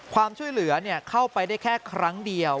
ความช่วยเหลือเข้าไปได้แค่ครั้งเดียว